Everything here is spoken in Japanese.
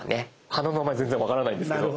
花の名前全然分からないんですけど。